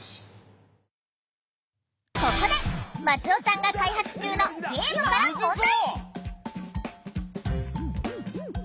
ここで松尾さんが開発中のゲームから問題！